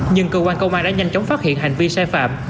nhưng cơ quan công an đã nhanh chóng phát hiện hành vi sai phạm